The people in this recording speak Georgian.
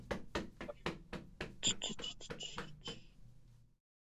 ოდნავ შეისრული ფორმის თაღიანი შესასვლელი სამხრეთ კედლის დასავლეთ ნაწილშია.